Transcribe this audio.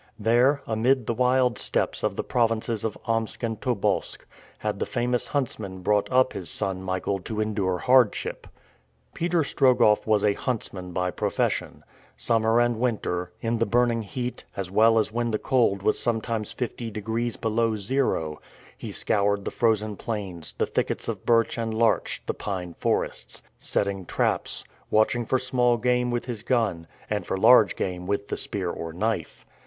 There, amid the wild steppes of the provinces of Omsk and Tobolsk, had the famous huntsman brought up his son Michael to endure hardship. Peter Strogoff was a huntsman by profession. Summer and winter in the burning heat, as well as when the cold was sometimes fifty degrees below zero he scoured the frozen plains, the thickets of birch and larch, the pine forests; setting traps; watching for small game with his gun, and for large game with the spear or knife.